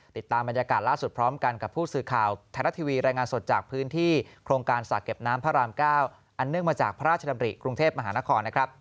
ติดตามบรรยากาศล่าสุดพร้อมกันกับผู้สื่อข่าวไทยรัฐทีวีรายงานสดจากพื้นที่โครงการสระเก็บน้ำพระราม๙อันเนื่องมาจากพระราชดำริกรุงเทพมหานครนะครับ